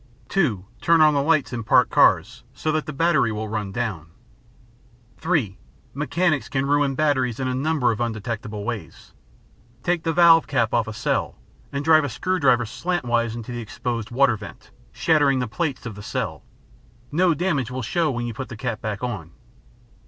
(2) Turn on the lights in parked cars so that the battery will run down. (3) Mechanics can ruin batteries in a number of undetectable ways: Take the valve cap off a cell, and drive a screw driver slantwise into the exposed water vent, shattering the plates of the cell; no damage will show when you put the cap back on.